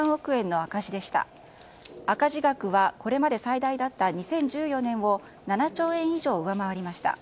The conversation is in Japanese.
赤字額はこれまで最大だった２０１４年を７兆円以上上回りました。